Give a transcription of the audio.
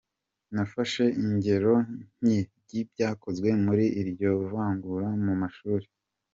Nafashe ingero nke ry’ibyakozwe muri iryo vangura mu mashuli.